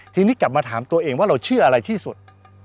ทีนี้กลับมาถามตัวเองว่าเราเชื่ออะไรที่สุด